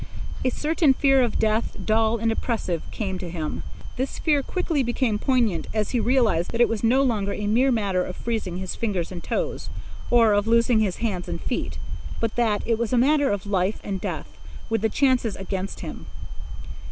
A certain fear of death, dull and oppressive, came to him. This fear quickly became poignant as he realized that it was no longer a mere matter of freezing his fingers and toes, or of losing his hands and feet, but that it was a matter of life and death with the chances against him.